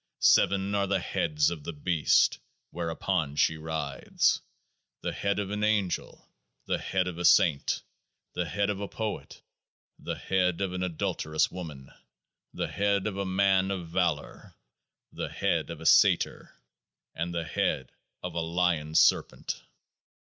Seven are the heads of THE BEAST whereon She rideth. The head of an Angel : the head of a Saint : the head of a Poet : the head of An Adulter ous Woman : the head of a Man of Valour : the head of a Satyr : and the head of a Lion Serpent.